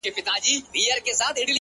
گراني ټوله شپه مي ـ